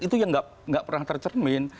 itu yang tidak pernah tercermin